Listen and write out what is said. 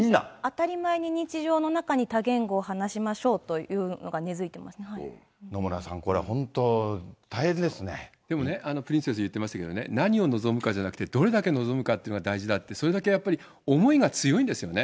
当たり前に日常の中に多言語を話しましょうというのが根づい野村さん、これ、本当、でもね、プリンセス言ってましたけど、何を望むかじゃなくて、どれだけ望むかっていうのが大事だって、それだけやっぱり、思いが強いんですよね。